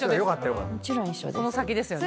その先ですよね。